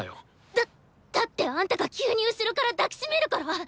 だっだってあんたが急に後ろから抱き締めるから。